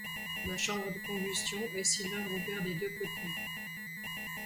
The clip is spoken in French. La chambre de combustion est cylindre ouvert des deux côtés.